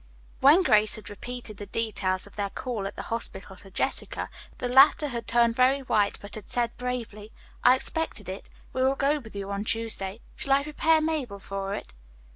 When Grace had repeated the details of their call at the hospital to Jessica, the latter had turned very white, but had said bravely, "I expected it. We will go with you on Tuesday. Shall I prepare Mabel for it?"